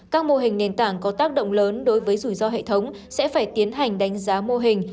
các mô hình nền tảng có tác động lớn đối với rủi ro hệ thống sẽ phải tiến hành đánh giá mô hình